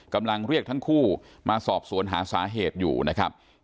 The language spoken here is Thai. กำลังเรียกทั้งคู่มาสอบสวนหาสาเหตุอยู่นะครับ